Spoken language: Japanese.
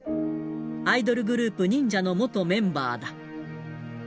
アイドルグループ、忍者の元メンバーだ。